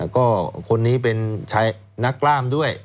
ก็คนนี้เป็นชายนักล่ามด้วย